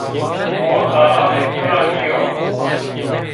O daraxê to ra nîyo